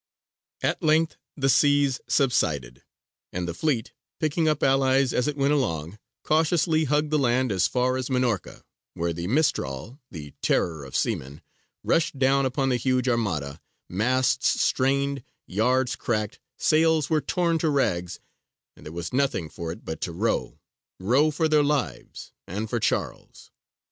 At length the seas subsided, and the fleet, picking up allies as it went along, cautiously hugged the land as far as Minorca, where the mistral, the terror of seamen, rushed down upon the huge armada masts strained, yards cracked, sails were torn to rags, and there was nothing for it but to row row for their lives and for Charles.